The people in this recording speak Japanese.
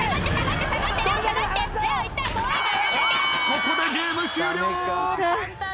ここでゲーム終了。